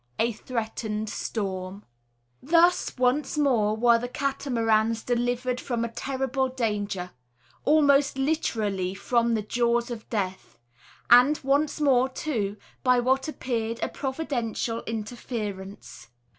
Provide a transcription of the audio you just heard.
A THREATENED STORM. Thus, once more, were the Catamarans delivered from a terrible danger, almost literally "from the jaws of death"; and once more, too, by what appeared a providential interference.